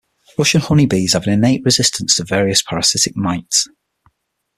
Russian honey bees have an innate resistance to various parasitic mites.